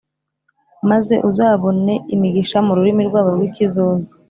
Maze uzabone imigisha mu rurimi rwabo rw’ikizosa